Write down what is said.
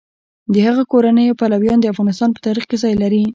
د هغه کورنۍ او پلویان د افغانستان په تاریخ کې ځای لري.